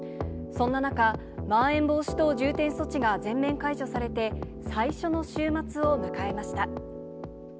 そんな中、まん延防止等重点措置が全面解除されて、最初の週末を迎えました。